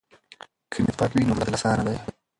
که نیت پاک وي نو منزل آسانه دی.